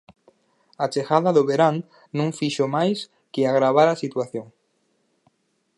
A chegada do verán no fixo máis que agravar a situación.